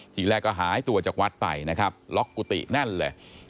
ทีแรกก็หายตัวจากวัดไปนะครับล็อกกุฏิแน่นเลย